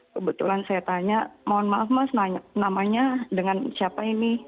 kebetulan saya tanya mohon maaf mas namanya dengan siapa ini